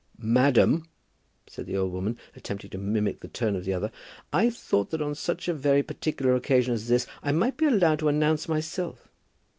"Madam," said the old woman, attempting to mimic the tone of the other, "I thought that on such a very particular occasion as this I might be allowed to announce myself.